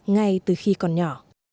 ngay từ khi còn nhỏ